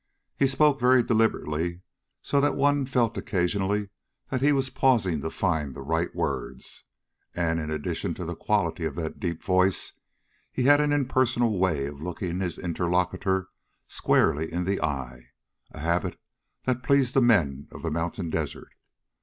He spoke very deliberately, so that one felt occasionally that he was pausing to find the right words. And, in addition to the quality of that deep voice, he had an impersonal way of looking his interlocutor squarely in the eye, a habit that pleased the men of the mountain desert.